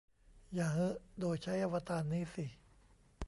อย่า 'ฮึ' โดยใช้อวตารนี้สิ